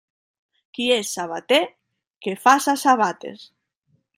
Qui és sabater, que faça sabates.